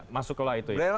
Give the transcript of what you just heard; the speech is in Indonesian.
masuklah itu ya